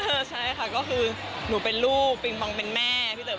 ใช่ค่ะก็คือหนูเป็นลูกปิงปองเป็นแม่พี่เต๋อ